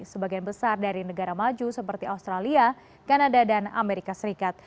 sebagian besar dari negara maju seperti australia kanada dan amerika serikat